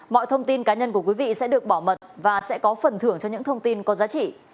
mọi thông tin cá nhân của quý vị sẽ được bảo mật và sẽ có phần thưởng cho những thông tin có giá trị